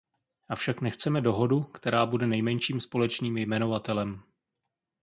Avšak nechceme dohodu, která bude nejmenším společným jmenovatelem.